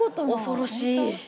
恐ろしい。